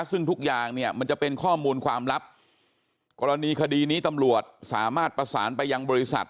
ซึ่งทุกอย่างเนี่ยมันจะเป็นข้อมูลความลับกรณีคดีนี้ตำรวจสามารถประสานไปยังบริษัท